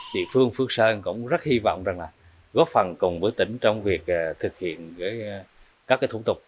địa phương phước sơn cũng rất hy vọng góp phần cùng với tỉnh trong việc thực hiện các thủ tục